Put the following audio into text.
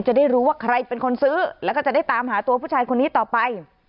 จะได้รู้ว่าใครเป็นคนซื้อแล้วก็จะได้ตามหาตัวผู้ชายคนนี้ต่อไป